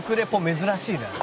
珍しいな」